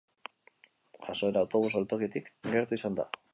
Jazoera autobus-geltokitik gertu izan da.